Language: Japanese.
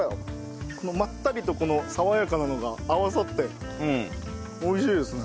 まったりとこの爽やかなのが合わさって美味しいですね。